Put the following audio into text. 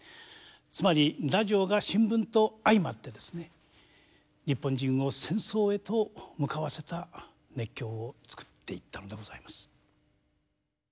つまりラジオが新聞と相まって日本人を戦争へと向かわせた熱狂を作っていったのでございます。